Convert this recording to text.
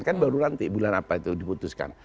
kan baru nanti bulan apa itu diputuskan